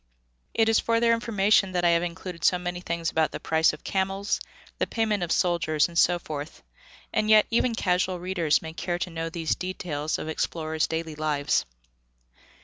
It is for their information that I have included so many things about the price of camels, the payment of soldiers and so forth, and yet even casual readers may care to know these details of explorers' daily lives.